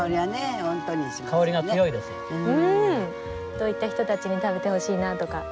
どういった人たちに食べてほしいなとかあります？